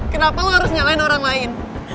kenapa lo harus nyalain orang lain